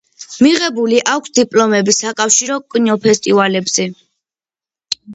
მიღებული აქვს დიპლომები საკავშირო კინოფესტივალებზე.